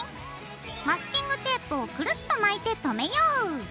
マスキングテープをクルッと巻いてとめよう。